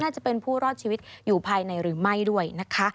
จะเป็นผู้รอดชีวิตอยู่ภายในหรือไม่ด้วยนะคะ